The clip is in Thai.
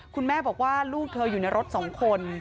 คุณแม่บอกว่าลูกเธออยู่ในรถ๒คน